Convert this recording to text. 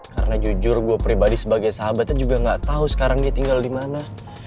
karena jujur gue pribadi sebagai sahabatnya juga nggak tahu sekarang dia tinggal dimana